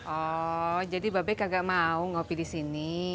oh jadi babeng kagak mau ngopi disini